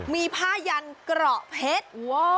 มีผ้ายันเกราะเพชร